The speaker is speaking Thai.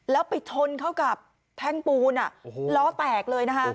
แล้วไปชนเข้ากับแท่งปูนล้อแตกเลยนะคะ